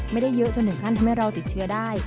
ไม่ได้เยอะจนถึงขั้นทำให้เราติดเชื้อได้